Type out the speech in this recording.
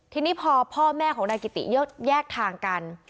ทีนี้พอพ่อแม่ของนายกิติแยกทางกัน